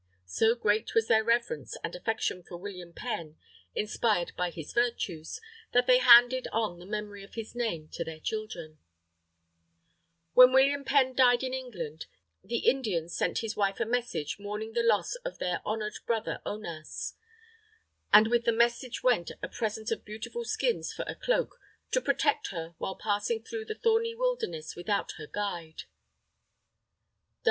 So great was their reverence and affection for William Penn, inspired by his virtues, that they handed on the memory of his name to their children. When William Penn died in England, the Indians sent his wife a message, mourning the loss of their "honoured brother Onas." And with the message went a present of beautiful skins for a cloak "to protect her while passing through the thorny wilderness without her guide."